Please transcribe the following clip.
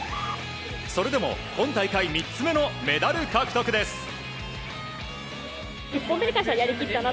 それでも今大会３つ目のメダル獲得です！